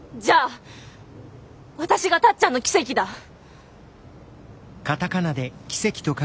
じゃあ私がタッちゃんの奇跡だ。